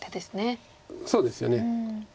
そうですよね。